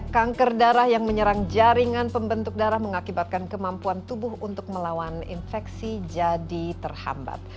kanker darah yang menyerang jaringan pembentuk darah mengakibatkan kemampuan tubuh untuk melawan infeksi jadi terhambat